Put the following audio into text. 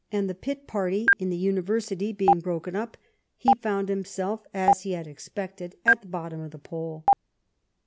7 the Pitt party in the University being broken up, he found himselfy as he had expected, at the bottom of the poll.